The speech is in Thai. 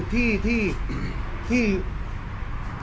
ที่เบิร์ตโอเค